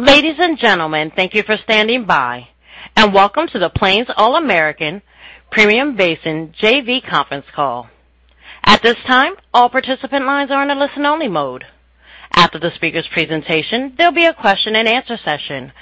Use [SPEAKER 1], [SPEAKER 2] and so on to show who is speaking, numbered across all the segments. [SPEAKER 1] Ladies and gentlemen, thank you for standing by and welcome to the Plains All American Pipeline Permian Basin JV Conference Call. At this time, all participants are in listen-only mode. After the speaker's presentation, there'll be a question-and-answer session.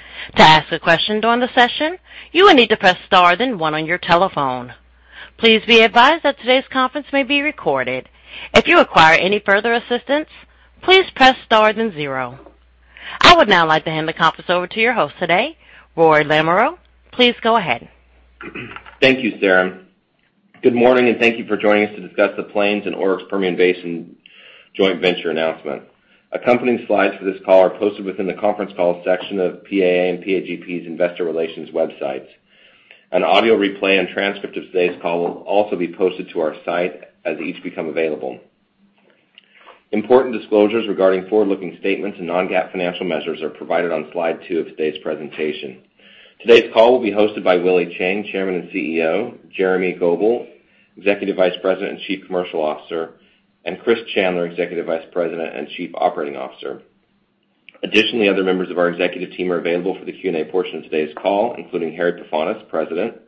[SPEAKER 1] I would now like to hand the conference over to your host today, Roy Lamoreaux. Please go ahead.
[SPEAKER 2] Thank you, Sarah. Good morning and thank you for joining us to discuss the Plains and Oryx Permian Basin JV announcement. Accompanying slides for this call are posted within the conference call section of PAA and PAGP's investor relations websites. An audio replay and transcript of today's call will also be posted to our site as each become available. Important disclosures regarding forward-looking statements and non-GAAP financial measures are provided on slide 2 of today's presentation. Today's call will be hosted by Willie Chiang, Chairman and CEO, Jeremy Goebel, Executive Vice President and Chief Commercial Officer, and Chris Chandler, Executive Vice President and Chief Operating Officer. Additionally, other members of our executive team are available for the Q&A portion of today's call, including Harry Pefanis, President,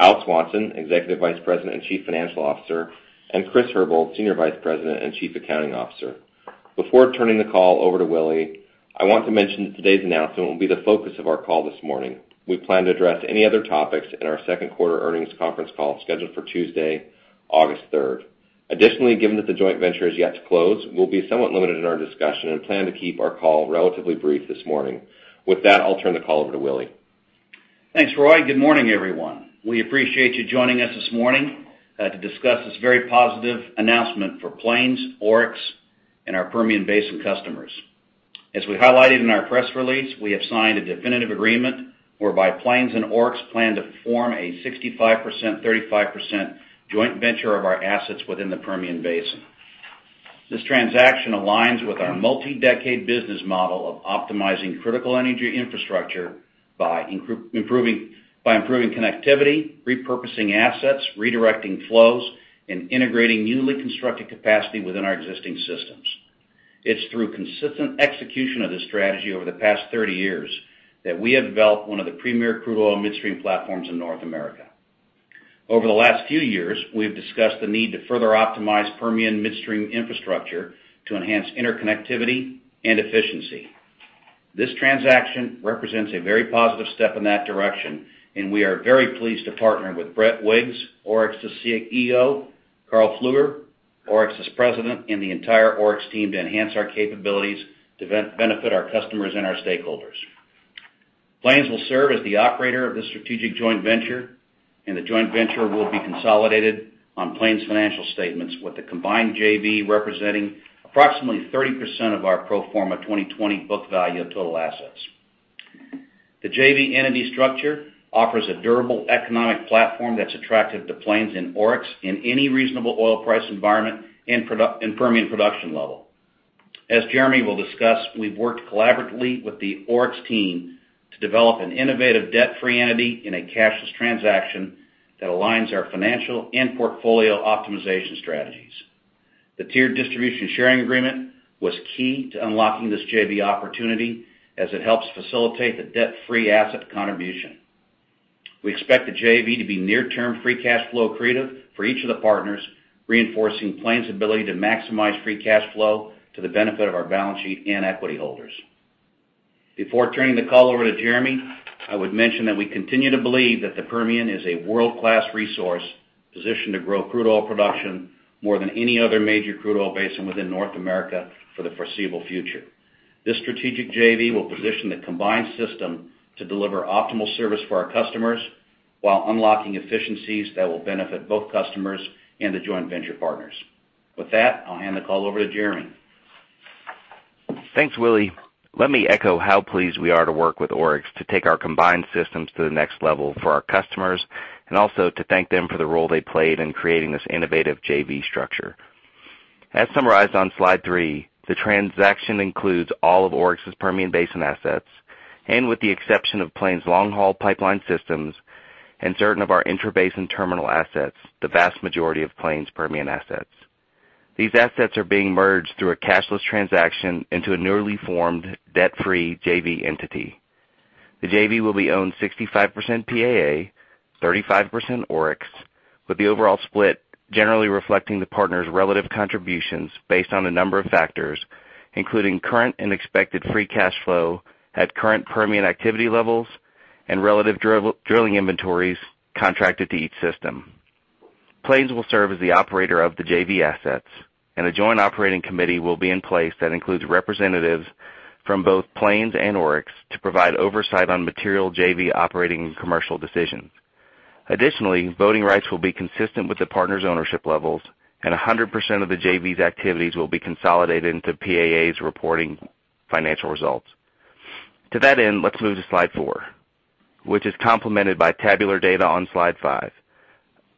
[SPEAKER 2] Al Swanson, Executive Vice President and Chief Financial Officer, and Chris Herbold, Senior Vice President and Chief Accounting Officer. Before turning the call over to Willie, I want to mention that today's announcement will be the focus of our call this morning. We plan to address any other topics in our Q2 earnings conference call scheduled for Tuesday, August 3rd. Additionally, given that the joint venture is yet to close, we'll be somewhat limited in our discussion and plan to keep our call relatively brief this morning. With that, I'll turn the call over to Willie.
[SPEAKER 3] Thanks, Roy. Good morning, everyone. We appreciate you joining us this morning to discuss this very positive announcement for Plains, Oryx, and our Permian Basin customers. As we highlighted in our press release, we have signed a definitive agreement whereby Plains and Oryx plan to form a 65%, 35% joint venture of our assets within the Permian Basin. This transaction aligns with our multi-decade business model of optimizing critical energy infrastructure by improving connectivity, repurposing assets, redirecting flows, and integrating newly constructed capacity within our existing systems. It's through consistent execution of this strategy over the past 30 years that we have developed one of the premier crude oil midstream platforms in North America. Over the last few years, we have discussed the need to further optimize Permian midstream infrastructure to enhance interconnectivity and efficiency. This transaction represents a very positive step in that direction, and we are very pleased to partner with Brett Wiggs, Oryx's CEO, Karl Pfluger, Oryx's president, and the entire Oryx team to enhance our capabilities to benefit our customers and our stakeholders. Plains will serve as the operator of the strategic joint venture, and the joint venture will be consolidated on Plains' financial statements with the combined JV representing approximately 30% of our pro forma 2020 book value of total assets. The JV entity structure offers a durable economic platform that's attractive to Plains and Oryx in any reasonable oil price environment and Permian production level. As Jeremy will discuss, we've worked collaboratively with the Oryx team to develop an innovative debt-free entity in a cashless transaction that aligns our financial and portfolio optimization strategies. The tiered distribution sharing agreement was key to unlocking this JV opportunity as it helps facilitate the debt-free asset contribution. We expect the JV to be near-term free cash flow accretive for each of the partners, reinforcing Plains' ability to maximize free cash flow to the benefit of our balance sheet and equity holders. Before turning the call over to Jeremy, I would mention that we continue to believe that the Permian is a world-class resource positioned to grow crude oil production more than any other major crude oil basin within North America for the foreseeable future. This strategic JV will position the combined system to deliver optimal service for our customers while unlocking efficiencies that will benefit both customers and the joint venture partners. With that, I'll hand the call over to Jeremy.
[SPEAKER 4] Thanks, Willie Chiang. Let me echo how pleased we are to work with Oryx to take our combined systems to the next level for our customers and also to thank them for the role they played in creating this innovative JV structure. As summarized on slide 3, the transaction includes all of Oryx's Permian Basin assets and with the exception of Plains' long-haul pipeline systems and certain of our interbasin terminal assets, the vast majority of Plains' Permian assets. These assets are being merged through a cashless transaction into a newly formed debt-free JV entity. The JV will be owned 65% PAA, 35% Oryx, with the overall split generally reflecting the partners' relative contributions based on a number of factors, including current and expected free cash flow at current Permian activity levels and relative drilling inventories contracted to each system. Plains will serve as the operator of the JV assets, and a joint operating committee will be in place that includes representatives from both Plains and Oryx to provide oversight on material JV operating and commercial decisions. Additionally, voting rights will be consistent with the partners' ownership levels, and 100% of the JV's activities will be consolidated into PAA's reporting financial results. To that end, let's move to slide 4, which is complemented by tabular data on slide 5.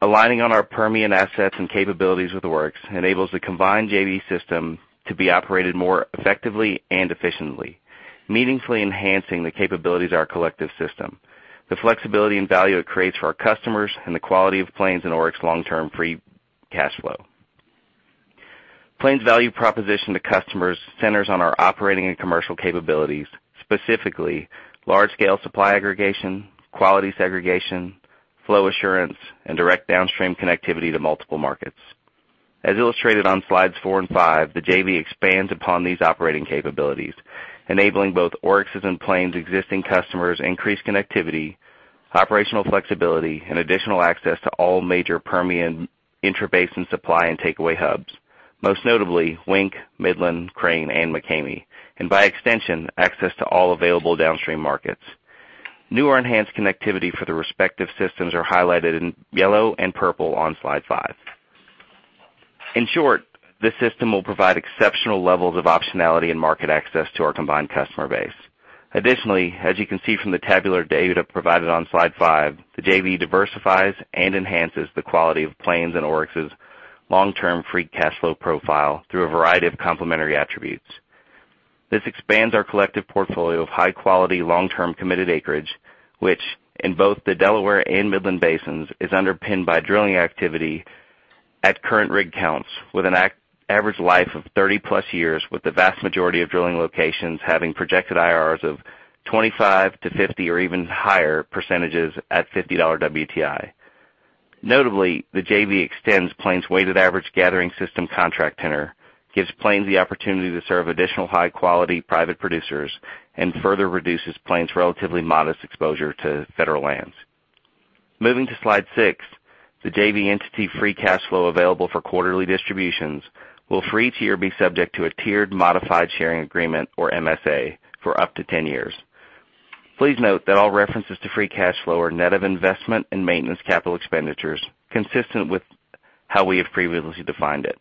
[SPEAKER 4] Aligning on our Permian assets and capabilities with Oryx enables the combined JV system to be operated more effectively and efficiently, meaningfully enhancing the capabilities of our collective system, the flexibility and value it creates for our customers, and the quality of Plains and Oryx long-term free cash flow. Plains' value proposition to customers centers on our operating and commercial capabilities, specifically large-scale supply aggregation, quality segregation, flow assurance, and direct downstream connectivity to multiple markets. As illustrated on slides 4 and 5, the JV expands upon these operating capabilities, enabling both Oryx and Plains existing customers increased connectivity, operational flexibility, and additional access to all major Permian intra-basin supply and takeaway hubs, most notably Wink, Midland, Crane, and McCamey, and by extension, access to all available downstream markets. New or enhanced connectivity for the respective systems are highlighted in yellow and purple on slide 5. In short, this system will provide exceptional levels of optionality and market access to our combined customer base. Additionally, as you can see from the tabular data provided on slide 5, the JV diversifies and enhances the quality of Plains and Oryx's long-term free cash flow profile through a variety of complementary attributes. This expands our collective portfolio of high-quality, long-term committed acreage, which in both the Delaware and Midland Basins, is underpinned by drilling activity at current rig counts with an average life of 30-plus years, with the vast majority of drilling locations having projected IRRs of 25%-50% or even higher % at $50 WTI. Notably, the JV extends Plains weighted average gathering system contract tenor, gives Plains the opportunity to serve additional high-quality private producers, and further reduces Plains' relatively modest exposure to federal lands. Moving to slide 6, the JV entity free cash flow available for quarterly distributions will first be subject to a tiered modified sharing agreement, or MSA, for up to 10 years. Please note that all references to free cash flow are net of investment and maintenance capital expenditures consistent with how we have previously defined it.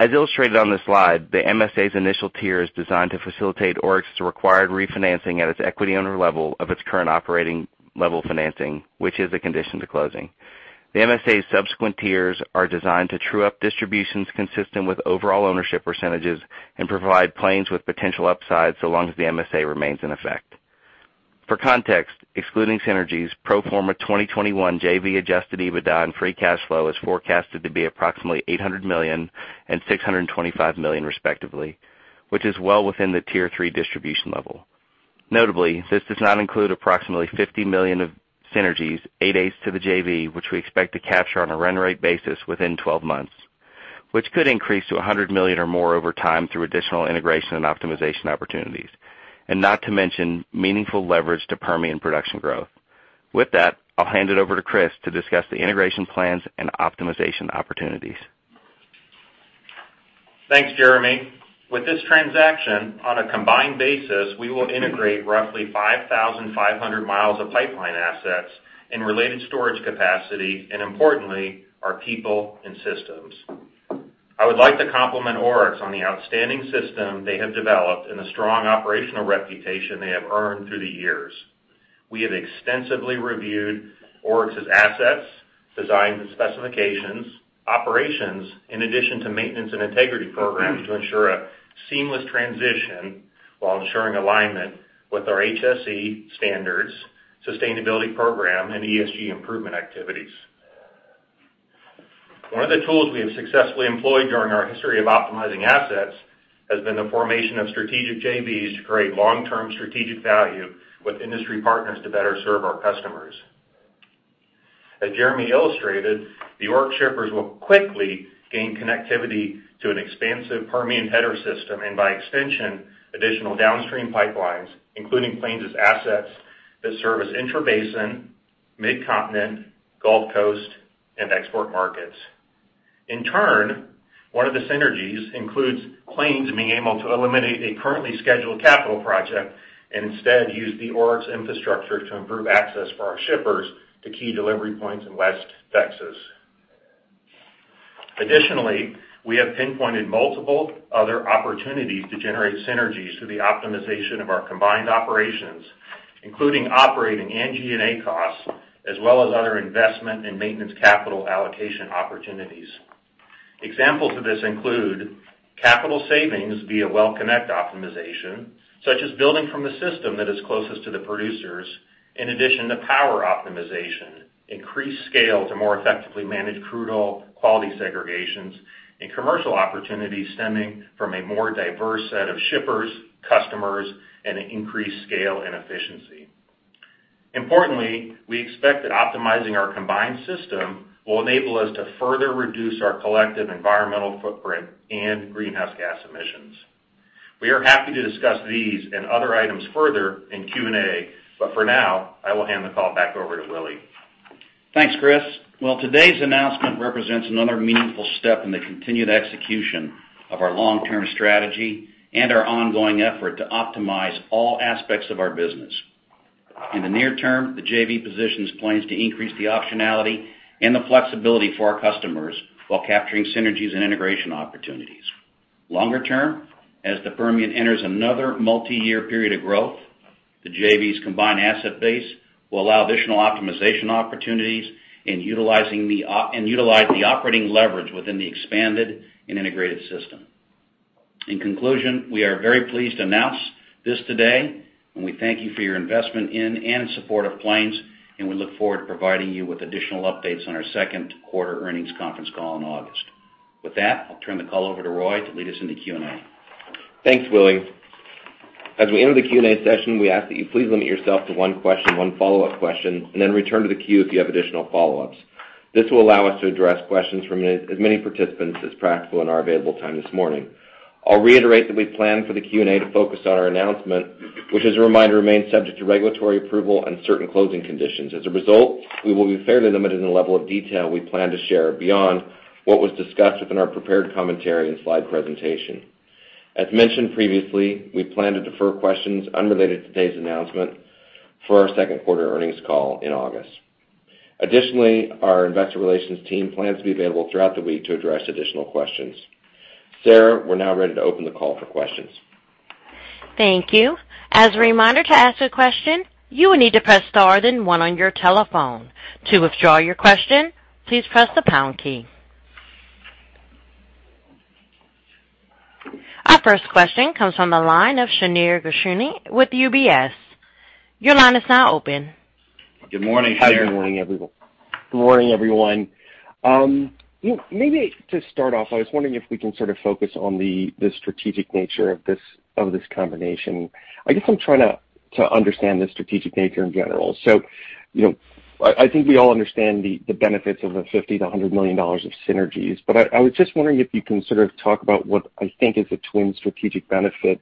[SPEAKER 4] As illustrated on the slide, the MSA's initial tier is designed to facilitate Oryx's required refinancing at its equity owner level of its current operating level financing, which is a condition to closing. The MSA's subsequent tiers are designed to true-up distributions consistent with overall ownership percentages and provide Plains with potential upside so long as the MSA remains in effect. For context, excluding synergies, pro forma 2021 JV adjusted EBITDA and free cash flow is forecasted to be approximately $800 million and $625 million respectively, which is well within the Tier 3 distribution level. Notably, this does not include approximately $50 million of synergies, eight eighths to the JV, which we expect to capture on a run rate basis within 12 months, which could increase to $100 million or more over time through additional integration and optimization opportunities, and not to mention meaningful leverage to Permian production growth. With that, I'll hand it over to Chris to discuss the integration plans and optimization opportunities.
[SPEAKER 5] Thanks, Jeremy. With this transaction, on a combined basis, we will integrate roughly 5,500 miles of pipeline assets and related storage capacity, and importantly, our people and systems. I would like to compliment Oryx on the outstanding system they have developed and the strong operational reputation they have earned through the years. We have extensively reviewed Oryx's assets, designs and specifications, operations, in addition to maintenance and integrity programs to ensure a seamless transition while ensuring alignment with our HSE standards, sustainability program, and ESG improvement activities. One of the tools we have successfully employed during our history of optimizing assets has been the formation of strategic JVs to create long-term strategic value with industry partners to better serve our customers. As Jeremy illustrated, the Oryx shippers will quickly gain connectivity to an expansive Permian header system and by extension, additional downstream pipelines, including Plains' assets that serve as intra-basin, midcontinent, Gulf Coast, and export markets. In turn, one of the synergies includes Plains being able to eliminate a currently scheduled capital project and instead use the Oryx infrastructure to improve access for our shippers to key delivery points in West Texas. We have pinpointed multiple other opportunities to generate synergies through the optimization of our combined operations, including operating and G&A costs, as well as other investment and maintenance capital allocation opportunities. Examples of this include capital savings via well connect optimization, such as building from the system that is closest to the producers. In addition to power optimization, increased scale to more effectively manage crude oil quality segregations, and commercial opportunities stemming from a more diverse set of shippers, customers, and increased scale and efficiency. Importantly, we expect that optimizing our combined system will enable us to further reduce our collective environmental footprint and greenhouse gas emissions. We are happy to discuss these and other items further in Q&A, but for now, I will hand the call back over to Willie.
[SPEAKER 3] Thanks, Chris. Today's announcement represents another meaningful step in the continued execution of our long-term strategy and our ongoing effort to optimize all aspects of our business. In the near term, the JV positions Plains to increase the optionality and the flexibility for our customers while capturing synergies and integration opportunities. Longer term, as the Permian enters another multi-year period of growth, the JV's combined asset base will allow additional optimization opportunities and utilize the operating leverage within the expanded and integrated system. In conclusion, we are very pleased to announce this today, and we thank you for your investment in and support of Plains, and we look forward to providing you with additional updates on our Q2 earnings conference call in August. With that, I'll turn the call over to Roy to lead us in the Q&A.
[SPEAKER 2] Thanks, Willie. As we enter the Q&A session, we ask that you please limit yourself to one question, one follow-up question, and then return to the queue if you have additional follow-ups. This will allow us to address questions from as many participants as practical in our available time this morning. I'll reiterate that we plan for the Q&A to focus on our announcement, which as a reminder, remains subject to regulatory approval and certain closing conditions. As a result, we will be fair to limit in the level of detail we plan to share beyond what was discussed within our prepared commentary and slide presentation. As mentioned previously, we plan to defer questions unrelated to today's announcement for our Q2 earnings call in August. Additionally, our Investor Relations team plans to be available throughout the week to address additional questions. Sarah, we're now ready to open the call for questions.
[SPEAKER 1] Thank you. As a reminder, to ask a question, you will need to press *1 on your telephone. To withdraw your question, please press #key. Our first question comes on the line of Shneur Gershuni with UBS. Your line is now open.
[SPEAKER 3] Good morning, Shneur.
[SPEAKER 6] Hi, good morning, everyone. Maybe to start off, I was wondering if we can focus on the strategic nature of this combination. I guess I'm trying to understand the strategic nature in general. I think we all understand the benefits of the $50 million of synergies, but I was just wondering if you can talk about what I think is a twin strategic benefit.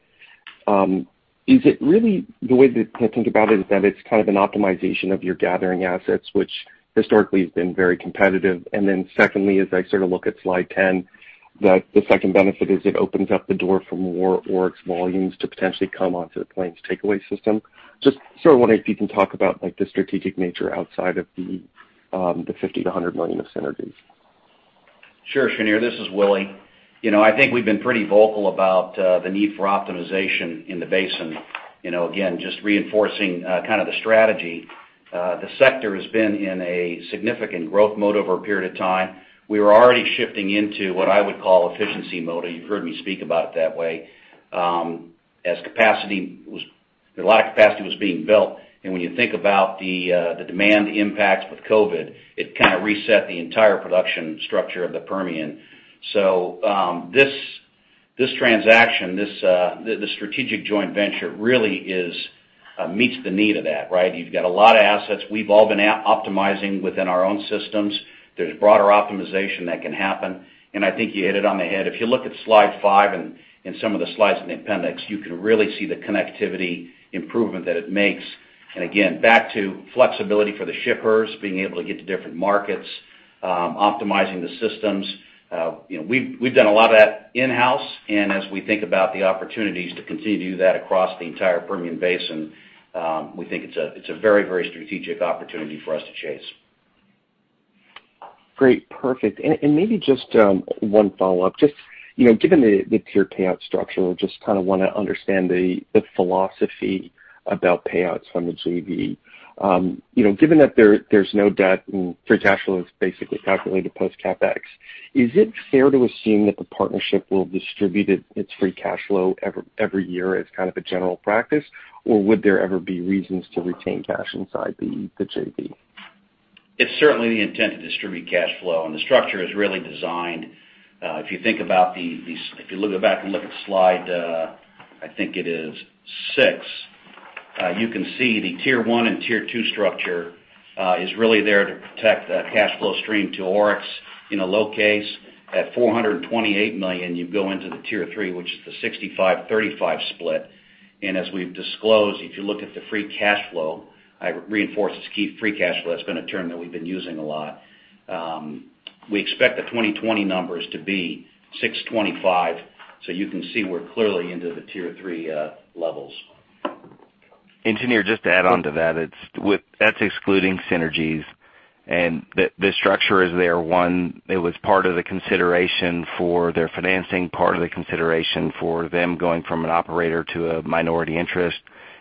[SPEAKER 6] Is it really the way to think about it is that it's an optimization of your gathering assets, which historically has been very competitive, secondly, as I look at slide 10, the second benefit is it opens up the door for more Oryx volumes to potentially come onto the Plains takeaway system. Just wondering if you can talk about the strategic nature outside of the $50 million of synergies.
[SPEAKER 3] Sure, Shneur, this is Willie. I think we've been pretty vocal about the need for optimization in the basin. Again, just reinforcing the strategy. The sector has been in a significant growth mode over a period of time. We were already shifting into what I would call efficiency mode, you've heard me speak about it that way. As capacity was being built, and when you think about the demand impacts with COVID, it reset the entire production structure of the Permian. This transaction, the strategic joint venture really meets the need of that, right? You've got a lot of assets. We've all been optimizing within our own systems. There's broader optimization that can happen. I think you hit it on the head. If you look at slide 5 and some of the slides in the appendix, you can really see the connectivity improvement that it makes. Again, back to flexibility for the shippers, being able to get to different markets, optimizing the systems. We've done a lot of that in-house, and as we think about the opportunities to continue to do that across the entire Permian Basin, we think it's a very strategic opportunity for us to chase.
[SPEAKER 6] Great. Perfect. Maybe just one follow-up, just given the tier payout structure, I just want to understand the philosophy about payouts on the JV. Given that there's no debt and free cash flow is basically calculated post CapEx, is it fair to assume that the partnership will distribute its free cash flow every year as a general practice, or would there ever be reasons to retain cash inside the JV?
[SPEAKER 3] It's certainly the intent to distribute cash flow. The structure is really designed. If you go back and look at slide, I think it is 6, you can see the Tier 1 and Tier 2 structure is really there to protect the cash flow stream to Oryx in a low case. At $428 million, you go into the Tier 3, which is the 65-35 split. As we've disclosed, if you look at the free cash flow, I reinforce free cash flow, that's been a term that we've been using a lot. We expect the 2020 numbers to be $625, so you can see we're clearly into the Tier 3 levels.
[SPEAKER 4] Shneur, just to add on to that's excluding synergies, the structure is there. One, it was part of the consideration for their financing, part of the consideration for them going from an operator to a minority interest,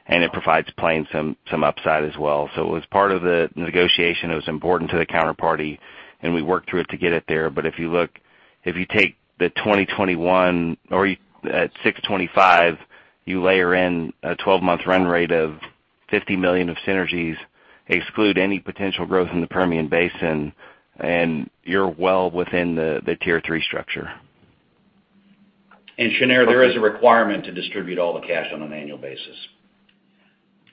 [SPEAKER 4] it provides Plains some upside as well. It was part of the negotiation that was important to the counterparty, we worked through it to get it there. If you take the 2021 or at 625, you layer in a 12-month run rate of $50 million of synergies, exclude any potential growth in the Permian Basin, you're well within the Tier 3 structure.
[SPEAKER 3] Shneur, there is a requirement to distribute all the cash on an annual basis.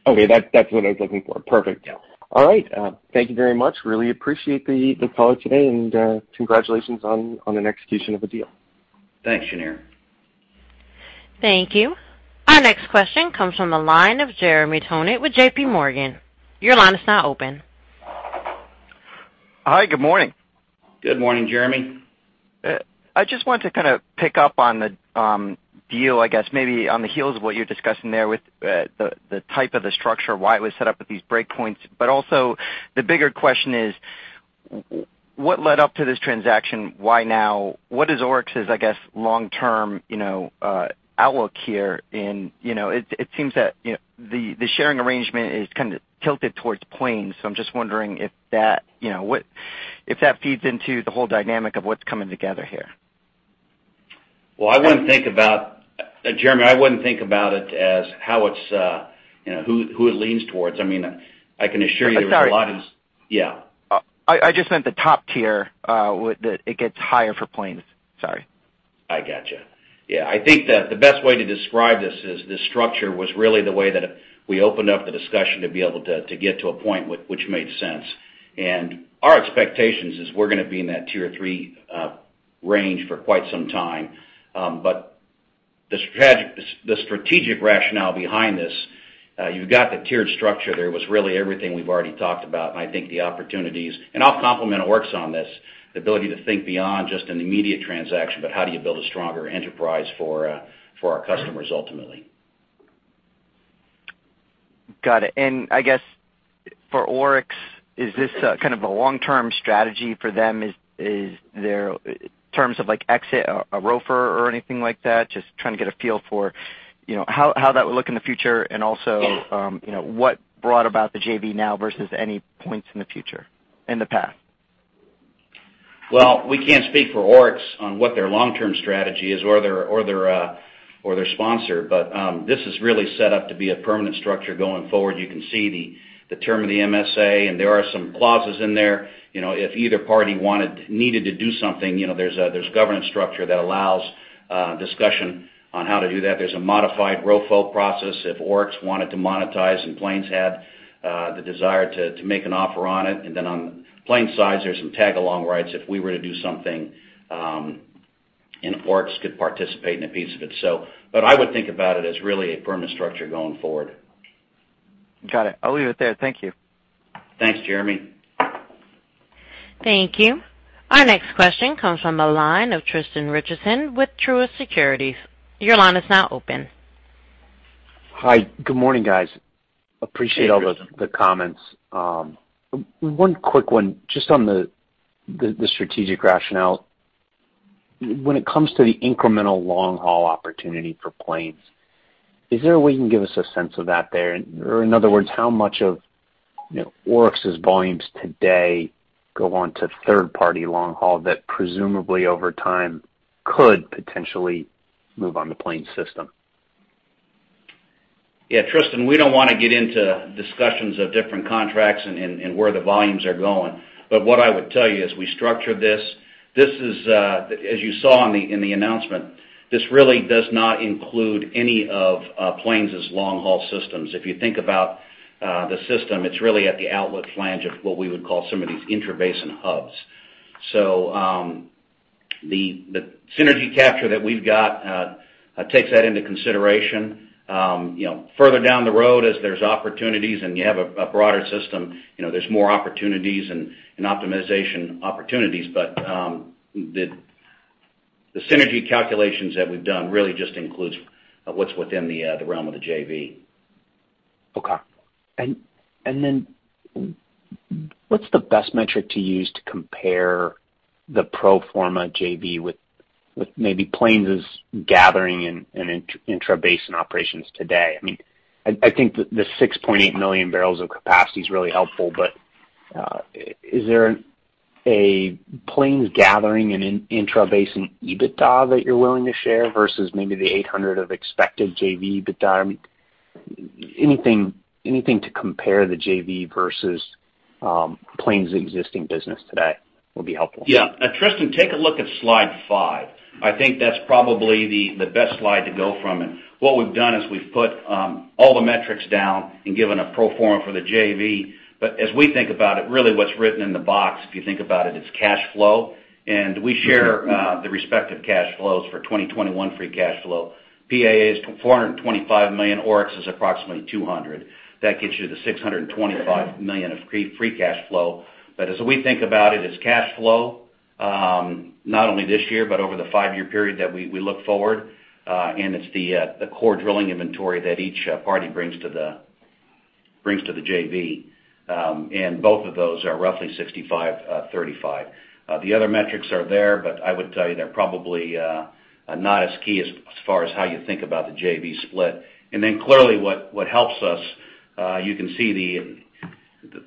[SPEAKER 6] Okay. That's what I was looking for. Perfect. All right. Thank you very much. Really appreciate the call today. Congratulations on the execution of the deal.
[SPEAKER 3] Thanks, Shneur.
[SPEAKER 1] Thank you. Our next question comes from the line of Jeremy Tonet with JPMorgan. Your line is now open.
[SPEAKER 7] Hi, good morning.
[SPEAKER 3] Good morning, Jeremy.
[SPEAKER 7] I just wanted to pick up on the deal, I guess maybe on the heels of what you're discussing there with the type of the structure, why it was set up with these breakpoints. Also the bigger question is what led up to this transaction? Why now? What is Oryx's, I guess, long-term outlook here? It seems that the sharing arrangement is kind of tilted towards Plains. I'm just wondering if that feeds into the whole dynamic of what's coming together here.
[SPEAKER 3] Jeremy, I wouldn't think about it as who it leans towards. I can assure you that.
[SPEAKER 7] Sorry.
[SPEAKER 3] Yeah.
[SPEAKER 7] I just meant the top tier, it gets higher for Plains. Sorry.
[SPEAKER 3] I got you. Yeah. I think that the best way to describe this is this structure was really the way that we opened up the discussion to be able to get to a point which made sense. Our expectation is we're going to be in that Tier 3 range for quite some time. The strategic rationale behind this, you've got the tiered structure there, was really everything we've already talked about. I think the opportunities, I'll compliment Oryx on this, the ability to think beyond just an immediate transaction, but how do you build a stronger enterprise for our customers ultimately.
[SPEAKER 7] Got it. I guess for Oryx, is this a long-term strategy for them in terms of exit, a ROFR or anything like that? Just trying to get a feel for how that would look in the future and also what brought about the JV now versus any points in the past.
[SPEAKER 3] Well, we can't speak for Oryx on what their long-term strategy is or their sponsor. This is really set up to be a permanent structure going forward. You can see the term of the MSA, and there are some clauses in there. If either party needed to do something, there's a governance structure that allows discussion on how to do that. There's a modified ROFR process. If Oryx wanted to monetize and Plains had the desire to make an offer on it, and then on Plains' side, there's some tag-along rights. If we were to do something, Oryx could participate in a piece of it. I would think about it as really a permanent structure going forward.
[SPEAKER 7] Got it. I'll leave it there. Thank you.
[SPEAKER 3] Thanks, Jeremy.
[SPEAKER 1] Thank you. Our next question comes from the line of Tristan Richardson with Truist Securities. Your line is now open.
[SPEAKER 8] Hi. Good morning, guys. Appreciate all the comments. One quick one just on the strategic rationale. When it comes to the incremental long-haul opportunity for Plains, is there a way you can give us a sense of that there? In other words, how much of Oryx's volumes today go on to third-party long-haul that presumably over time could potentially move on to Plains' system?
[SPEAKER 3] Yeah, Tristan, we don't want to get into discussions of different contracts and where the volumes are going. What I would tell you as we structure this, as you saw in the announcement, this really does not include any of Plains' long-haul systems. If you think about the system, it's really at the outlet flange of what we would call some of these intra-basin hubs. The synergy capture that we've got takes that into consideration. Further down the road as there's opportunities and you have a broader system, there's more opportunities and optimization opportunities. The synergy calculations that we've done really just includes what's within the realm of the JV.
[SPEAKER 8] Okay. Then what's the best metric to use to compare the pro forma JV with maybe Plains' gathering and intra-basin operations today? I think the 6.8 million barrels of capacity is really helpful, is there a Plains gathering and intra-basin EBITDA that you're willing to share versus maybe the $800 million of expected JV EBITDA? Anything to compare the JV versus Plains' existing business today would be helpful.
[SPEAKER 3] Tristan, take a look at slide 5. I think that's probably the best slide to go from. What we've done is we've put all the metrics down and given a pro forma for the JV. As we think about it, really what's written in the box, if you think about it's cash flow. We share the respective cash flows for 2021 free cash flow. PAA is $425 million, Oryx is approximately $200 million. That gets you to $625 million of free cash flow. As we think about it's cash flow, not only this year, but over the five-year period that we look forward. It's the core drilling inventory that each party brings to the JV. Both of those are roughly 65/35. The other metrics are there, but I would tell you they're probably not as key as far as how you think about the JV split. Clearly what helps us, you can see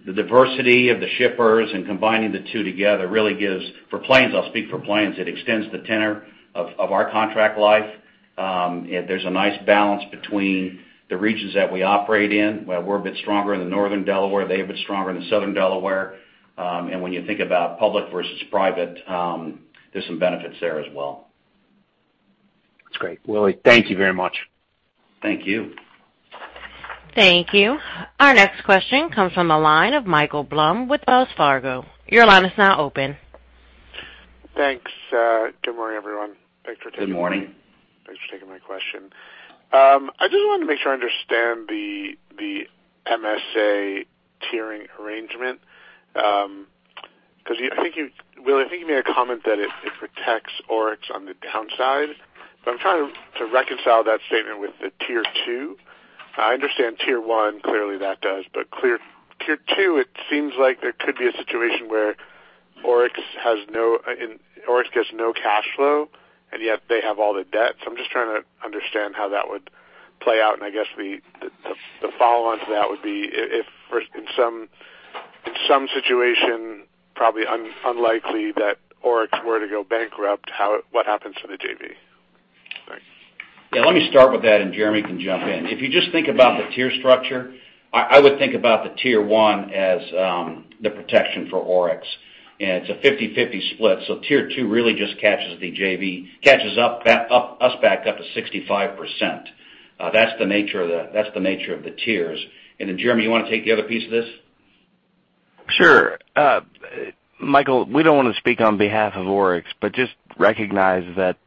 [SPEAKER 3] the diversity of the shippers and combining the two together really gives, for Plains, I'll speak for Plains, it extends the tenor of our contract life. There's a nice balance between the regions that we operate in, where we're a bit stronger in the Northern Delaware, they're a bit stronger in Southern Delaware. When you think about public versus private, there's some benefits there as well.
[SPEAKER 8] That's great. Willie, thank you very much.
[SPEAKER 3] Thank you.
[SPEAKER 1] Thank you. Our next question comes from the line of Michael Blum with Wells Fargo. Your line is now open.
[SPEAKER 9] Thanks. Good morning, everyone.
[SPEAKER 3] Good morning.
[SPEAKER 9] Thanks for taking my question. I just want to make sure I understand the MSA tiering arrangement. Willie, I think you made a comment that it protects Oryx on the downside, but I'm trying to reconcile that statement with the Tier 2. I understand Tier 1, clearly that does. Tier 2, it seems like there could be a situation where Oryx gets no cash flow, and yet they have all the debt. I'm just trying to understand how that would play out, and I guess The follow-on to that would be if in some situation, probably unlikely, that Oryx were to go bankrupt, what happens to the JV? Thanks.
[SPEAKER 3] Yeah, let me start with that. Jeremy can jump in. If you just think about the tier structure, I would think about the Tier 1 as the protection for Oryx, and it's a 50/50 split. Tier 2 really just catches the JV, catches us back up to 65%. That's the nature of the tiers. Jeremy, you want to take the other piece of this?
[SPEAKER 4] Sure. Michael, we don't want to speak on behalf of Oryx, but just recognize that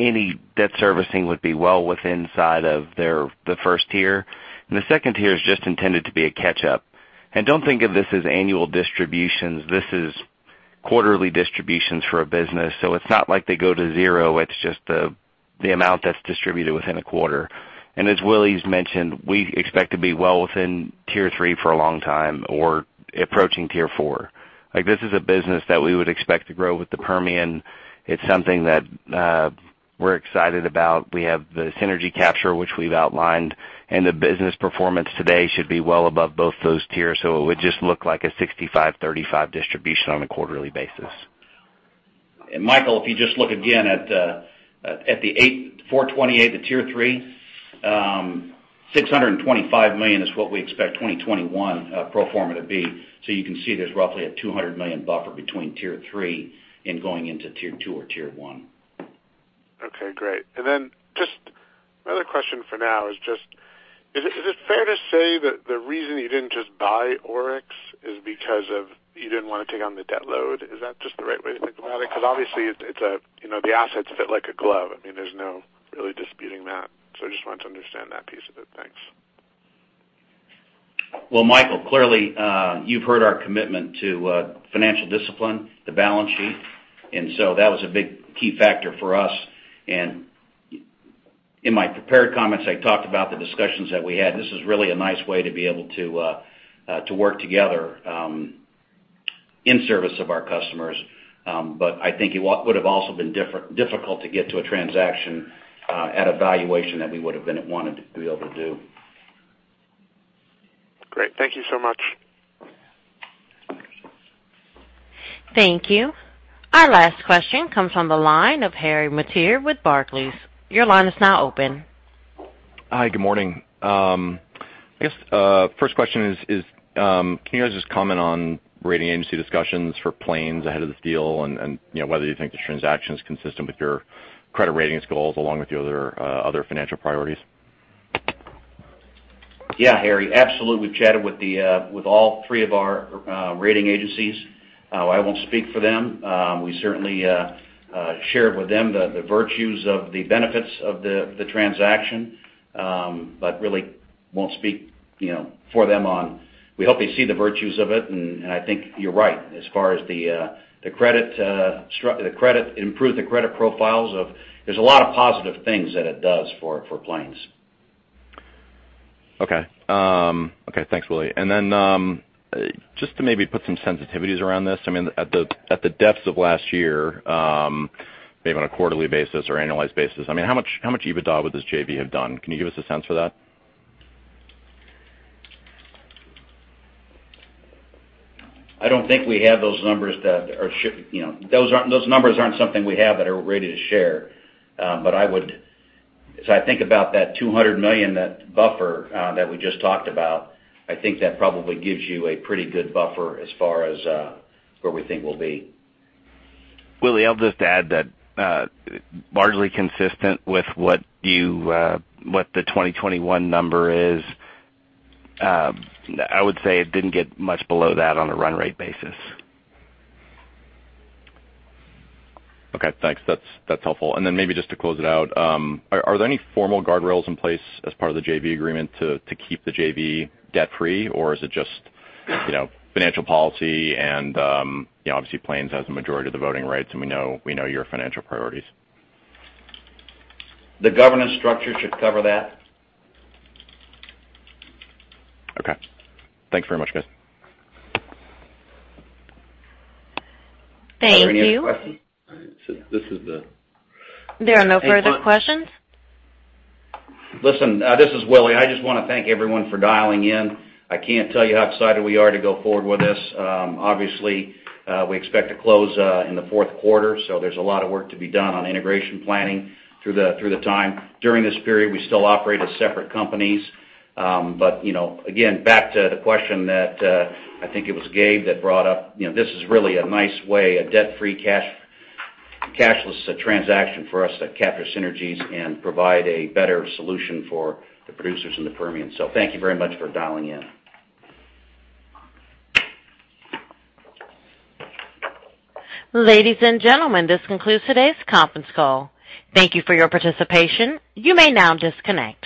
[SPEAKER 4] any debt servicing would be well within inside of the Tier 1. The Tier 2 is just intended to be a catch-up. Don't think of this as annual distributions. This is quarterly distributions for a business, so it's not like they go to 0. It's just the amount that's distributed within a quarter. As Willie's mentioned, we expect to be well within Tier 3 for a long time or approaching Tier 4. This is a business that we would expect to grow with the Permian. It's something that we're excited about. We have the synergy capture, which we've outlined, and the business performance today should be well above both those tiers. It would just look like a 65/35 distribution on a quarterly basis.
[SPEAKER 3] Michael, if you just look again at the $428 of Tier 3, $625 million is what we expect 2021 pro forma to be. You can see there's roughly a $200 million buffer between Tier 3 and going into Tier 2 or Tier 1.
[SPEAKER 9] Okay, great. Just another question for now, is it fair to say that the reason you didn't just buy Oryx is because you didn't want to take on the debt load? Is that just the right way to think about it? Obviously, the assets fit like a glove. There's no really disputing that. I just want to understand that piece of it. Thanks.
[SPEAKER 3] Michael, clearly, you've heard our commitment to financial discipline, the balance sheet, that was a big key factor for us. In my prepared comments, I talked about the discussions that we had. This is really a nice way to be able to work together in service of our customers. I think it would have also been difficult to get to a transaction at a valuation that we would have wanted to be able to do.
[SPEAKER 9] Great. Thank you so much.
[SPEAKER 1] Thank you. Our last question comes on the line of Harry Mateer with Barclays. Your line is now open.
[SPEAKER 10] Hi. Good morning. I guess 1st question is, can you guys just comment on rating agency discussions for Plains ahead of this deal and whether you think the transaction is consistent with your credit rating goals along with your other financial priorities?
[SPEAKER 3] Yeah, Harry, absolutely. We chatted with all three of our rating agencies. I won't speak for them. We certainly shared with them the virtues of the benefits of the transaction. Really won't speak for them. We hope they see the virtues of it. I think you're right as far as the credit. Improve the credit profiles. There's a lot of positive things that it does for Plains.
[SPEAKER 10] Okay. Thanks, Willie. Just to maybe put some sensitivities around this, at the depths of last year, maybe on a quarterly basis or annual basis, how much EBITDA would this JV have done? Can you give us a sense for that?
[SPEAKER 3] I don't think we have those numbers. Those numbers aren't something we have that are ready to share. I think about that $200 million, that buffer that we just talked about, I think that probably gives you a pretty good buffer as far as where we think we'll be.
[SPEAKER 4] Willie, I'll just add that largely consistent with what the 2021 number is, I would say it didn't get much below that on a run rate basis.
[SPEAKER 10] Okay, thanks. That's helpful. Maybe just to close it out, are there any formal guardrails in place as part of the JV agreement to keep the JV debt-free? Is it just financial policy and obviously Plains has the majority of the voting rights, and we know your financial priorities.
[SPEAKER 3] The governance structure should cover that.
[SPEAKER 10] Okay. Thanks very much, guys.
[SPEAKER 1] Thank you. There are no further questions.
[SPEAKER 3] Listen, this is Willie. I just want to thank everyone for dialing in. I can't tell you how excited we are to go forward with this. We expect to close in the Q4, there's a lot of work to be done on integration planning through the time. During this period, we still operate as separate companies. Back to the question that I think it was Jeremy that brought up, this is really a nice way, a debt-free cashless transaction for us to capture synergies and provide a better solution for the producers in the Permian. Thank you very much for dialing in.
[SPEAKER 1] Ladies and gentlemen, this concludes today's conference call. Thank you for your participation. You may now disconnect.